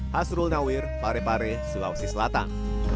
hasrul nawir pare pare sulawesi selatan